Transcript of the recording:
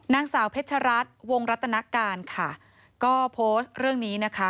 นางสาวเพชรัตน์วงรัตนการค่ะก็โพสต์เรื่องนี้นะคะ